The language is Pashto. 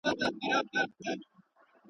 اس که ښه وي او که بد